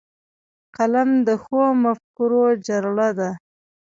قلم د ښو مفکورو جرړه ده